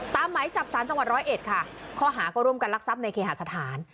ตามหมายจับสารจังหวัดร้อยเอ็ดค่ะเขาหากระรุมการรักษัพท์ในเคหาสถาน